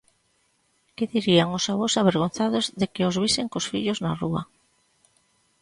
Que dirían os avós, avergonzados de que os visen cos fillos na rúa?